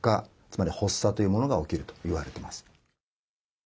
つまり発作というものが起きるといわれてます。